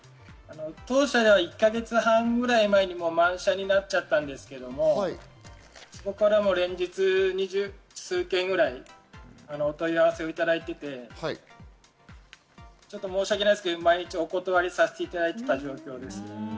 当社では１か月半くらい前にも満車になっちゃったんですけども、そこから連日、２０数件くらい、お問い合わせをいただいていて、申し訳ないですけど、毎日お断りさせていただいていた状況です。